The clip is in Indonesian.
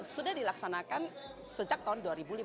sudah dilaksanakan sejak tahun dua ribu lima belas